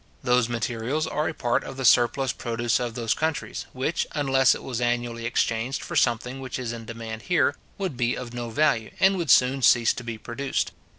Those materials are a part of the surplus produce of those countries, which, unless it was annually exchanged for something which is in demand here, would be of no value, and would soon cease to be produced.